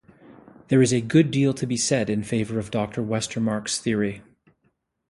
There is a good deal to be said in favor of Dr. Westermarck's theory.